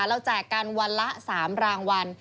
เราแจกกันวันละสามรางวัล